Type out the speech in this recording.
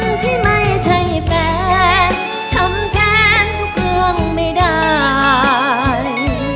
ที่ไม่ใช่แฟนทำแทนทุกเรื่องไม่ได้